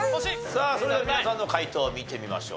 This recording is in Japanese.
さあそれでは皆さんの解答を見てみましょう。